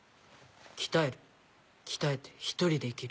鍛える鍛えて１人で生きる。